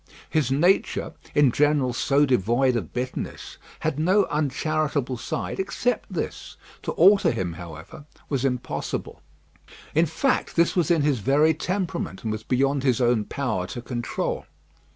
His nature, in general so devoid of bitterness, had no uncharitable side except this. To alter him, however, was impossible. In fact, this was in his very temperament, and was beyond his own power to control.